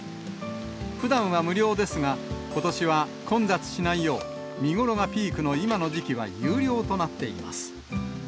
ふだんは無料ですが、ことしは混雑しないよう、見頃がピークの今の時期は有料となっています。